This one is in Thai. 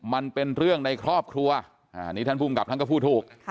มันเป็นเรื่องในครอบครัวอันนี้ท่านภูมิกับท่านก็พูดถูก